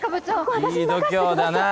いい度胸だなぁ！